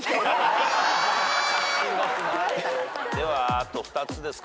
ではあと２つですかね。